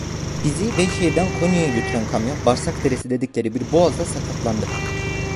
Bizi Beyşehir'den Konya'ya götüren kamyon, Barsakderesi dedikleri bir boğazda sakatlandı.